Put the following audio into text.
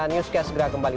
newscast segera kembali